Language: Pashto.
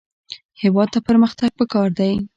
هېواد ته پرمختګ پکار دی